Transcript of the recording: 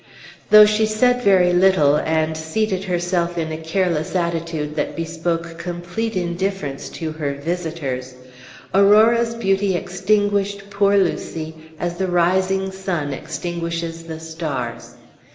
Though she said very little, and seated herself in a careless attitude that bespoke complete indifference to her visitors, Aurora's beauty extinguished poor Lucy as the rising sun extinguishes the stars.